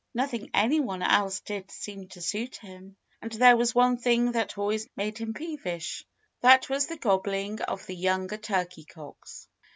But nothing anyone else did seemed to suit him. And there was one thing that always made him peevish. That was the gobbling of the younger turkey cocks.